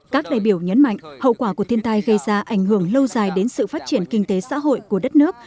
các đại biểu nhấn mạnh hậu quả của thiên tai gây ra ảnh hưởng lâu dài đến sự phát triển kinh tế xã hội của đất nước